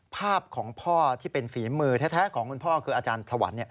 ภาพของพ่อที่เป็นฝีมือแท้ของคุณพ่อคืออาจารย์ถวัน